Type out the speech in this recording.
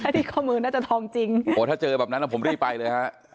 ที่ข้อมือน่าจะทองจริงโอ้โหถ้าเจอแบบนั้นผมรีบไปเลยฮะ